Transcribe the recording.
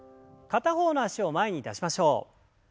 片方の脚を前に出しましょう。